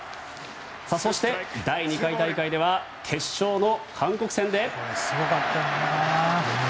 そして、第２回大会では決勝の韓国戦で。